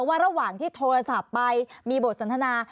ระหว่างที่โทรศัพท์ไปมีบทสนทนา